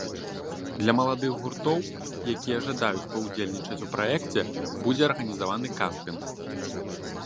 Для маладых гуртоў, якія жадаюць паўдзельнічаць у праекце будзе арганізаваны кастынг.